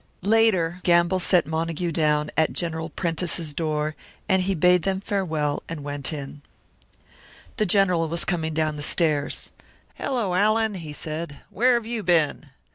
Half an hour later Gamble set Montague down, at General Prentice's door, and he bade them farewell and went in. The General was coming down the stairs. "Hello, Allan," he said. "Where have you been?"